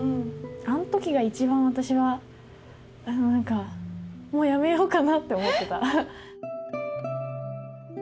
あの時が一番私はもうやめようかなって思ってた。